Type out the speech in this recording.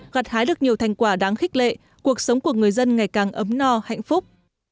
gạt hái được nhiều thành quả đáng khích lệ cuộc sống của người dân ngày càng ấm no hạnh phúc